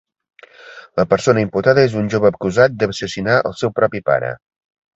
La persona imputada és un jove acusat d'assassinar al seu propi pare.